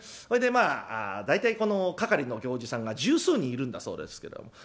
そいでまあ大体この係の行司さんが十数人いるんだそうですけども。